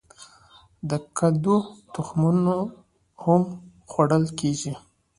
د کدو تخمونه هم خوړل کیږي.